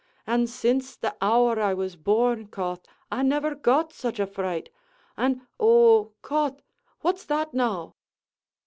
an' since the hour I was born, Cauth, I never got such a fright; an' oh, Cauth! what's that now?"